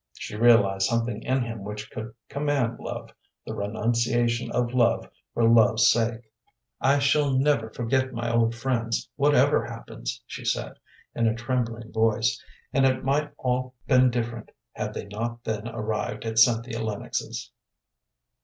She realized something in him which could command love the renunciation of love for love's sake. "I shall never forget my old friends, whatever happens," she said, in a trembling voice, and it might have all been different had they not then arrived at Cynthia Lennox's.